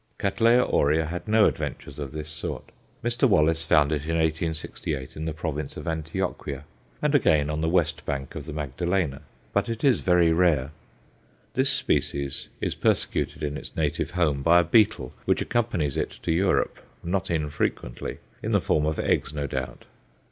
Cattleya aurea had no adventures of this sort. Mr. Wallis found it in 1868 in the province of Antioquia, and again on the west bank of the Magdalena; but it is very rare. This species is persecuted in its native home by a beetle, which accompanies it to Europe not infrequently in the form of eggs, no doubt.